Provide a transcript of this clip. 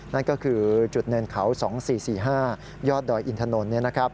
นั่นก็คือจุดเนินเขา๒๔๔๕ยอดดอยอินถนน